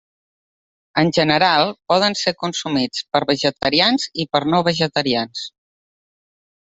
En general, poden ser consumits per vegetarians i per no vegetarians.